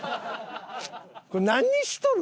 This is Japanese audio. これ何しとる？